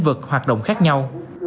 vực hoạt động khác nhau